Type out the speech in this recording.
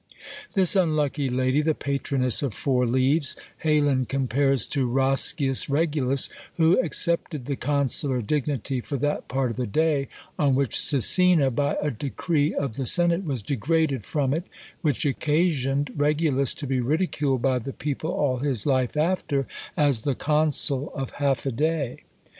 This unlucky lady, the patroness of four leaves, Heylin compares to Roscius Regulus, who accepted the consular dignity for that part of the day on which Cecina by a decree of the senate was degraded from it, which occasioned Regulus to be ridiculed by the people all his life after, as the consul of half a day.